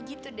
saya itu itu